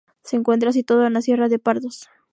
Se encuentra situado en la sierra de Pardos.